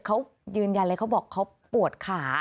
เขายืนยันเลยเขาบอกเขาปวดขา